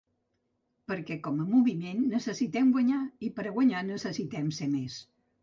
Perquè com a moviment necessitem guanyar i per a guanyar necessitem ser més.